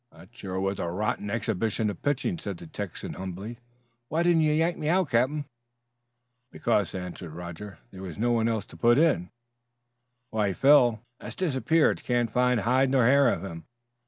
"That sure was a right rotten exhibition of pitching," said the Texan humbly. "Why didn't you yank me out, captain?" "Because," answered Roger, "there was no one else to put in." "Why, Phil " "Has disappeared; can't find hide nor hair of him.